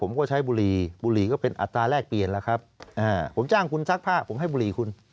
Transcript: ผมก็ใช้บุรีบุหรี่ก็เป็นอัตราแรกเปลี่ยนแล้วครับผมจ้างคุณซักผ้าผมให้บุหรี่คุณ